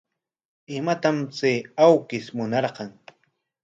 ¿Imatam chay awkish munarqan?